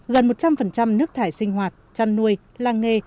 gần một trăm linh nước thải sinh hoạt chăn nuôi lang nghê